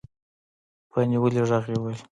په نيولي غږ يې وويل.